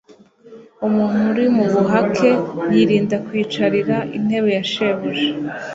Umuntu uri mu buhake yirinda kwicarira intebe ya shebuja,